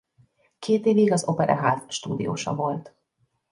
Két évig az Operaház stúdiósa volt.